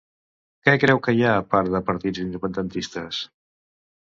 Què creu que hi ha a part de partits independentistes?